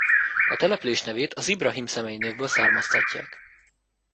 A település nevét az Ibrahim személynévből származtatják.